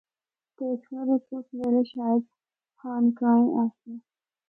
ٹیکسلا بچ اُس ویلے شاید خانقاہیں آسیاں۔